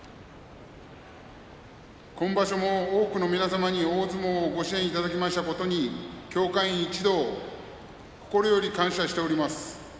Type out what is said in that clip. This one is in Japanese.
今場所も多くの皆様に大相撲をご支援いただきましたことに協会員一同心より感謝しております。